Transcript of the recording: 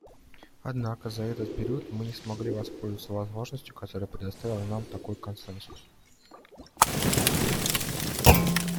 Однако за этот период мы не смогли воспользоваться возможностью, которую предоставил нам такой консенсус.